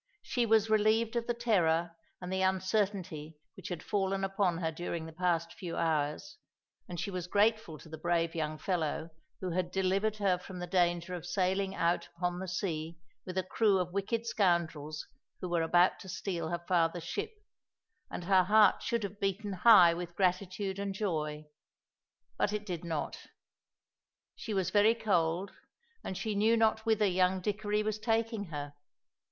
She was relieved of the terror and the uncertainty which had fallen upon her during the past few hours, and she was grateful to the brave young fellow who had delivered her from the danger of sailing out upon the sea with a crew of wicked scoundrels who were about to steal her father's ship, and her heart should have beaten high with gratitude and joy, but it did not. She was very cold, and she knew not whither young Dickory was taking her.